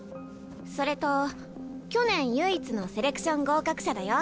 それと去年唯一のセレクション合格者だよ。